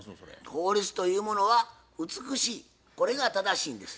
法律というものは美しいこれが正しいんです。